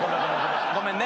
ごめんね。